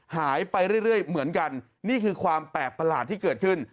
หายไปเรื่อยเหมือนกันนี่คือความแปลกประหลาดที่เกิดขึ้น